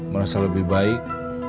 merasa lebih baik